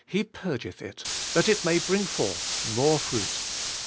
He piirgetJi it^ that it may bring forth more fruit.'